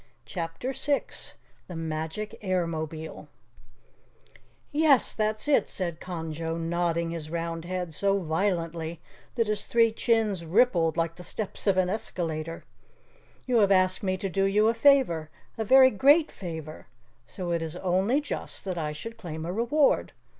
CHAPTER 6 The Magic Airmobile "Yes, that's it," said Conjo, nodding his round head so violently that his three chins rippled like the steps of an escalator. "You have asked me to do you a favor a very great favor so it is only just that I should claim a reward.